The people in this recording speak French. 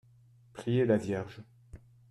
Prier la Vierge.